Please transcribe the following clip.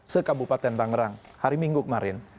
sekabupaten tangerang hari minggu kemarin